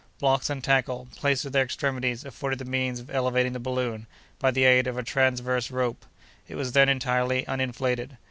Blocks and tackle, placed at their extremities, afforded the means of elevating the balloon, by the aid of a transverse rope. It was then entirely uninflated.